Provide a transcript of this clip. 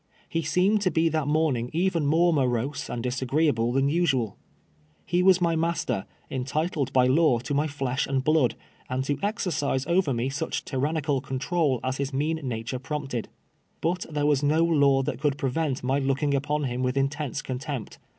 lie seemed to be that morning even more morose and disagreeable than usuaL lie was my master, entitled by law to my ilesh and blood, and to exercise over me such ty rannical control as his mean nature prompted ; but there was no law that could prevent my looking upon liim with intense contempt.